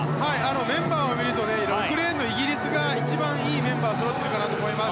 メンバーを見ると６レーンのイギリスが一番いいメンバーがそろっていると思います。